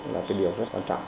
là cái điều rất quan trọng